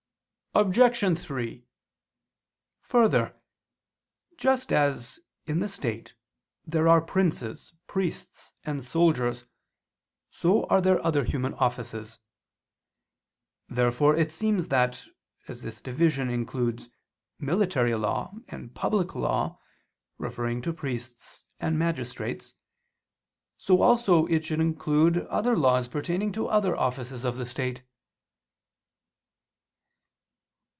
Obj. 3: Further, just as, in the state, there are princes, priests and soldiers, so are there other human offices. Therefore it seems that, as this division includes military law, and public law, referring to priests and magistrates; so also it should include other laws pertaining to other offices of the state.